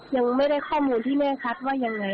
ยังไม่ได้ข้อมูลที่แน่ชัดว่ายังไง